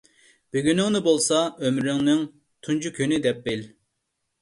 بۈگۈنۈڭنى بولسا ئۆمرۈمنىڭ تۇنجى كۈنى دەپ بىل.